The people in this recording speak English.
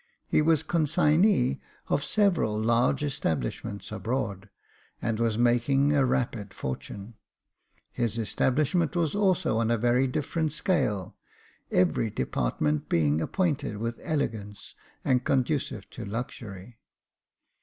He was consignee of several large establishments abroad, and was making a rapid fortune. His establishment was also on a very different scale, every department being appointed with elegance and conducive to luxury.